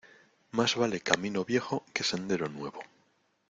Más vale camino viejo que sendero nuevo.